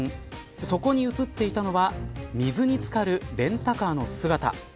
そこに写っていたのは水につかるレンタカーの姿。